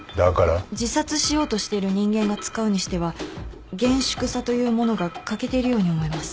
自殺しようとしている人間が使うにしては厳粛さというものが欠けているように思えます。